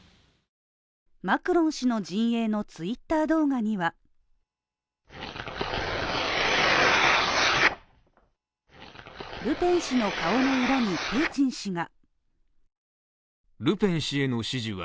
マクロン氏の陣営のＴｗｉｔｔｅｒ動画にはルペン氏の顔の裏に、プーチン氏が。